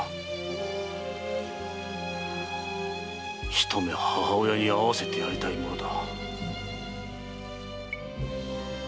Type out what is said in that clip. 一目母親に会わせてやりたいものだ。